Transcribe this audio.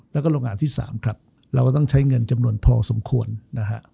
แล้วก็โรงงานที่๓ครับเราก็ต้องใช้เงินจำนวนพอสมควรนะฮะ